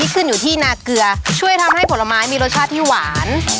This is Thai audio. ขึ้นอยู่ที่นาเกลือช่วยทำให้ผลไม้มีรสชาติที่หวาน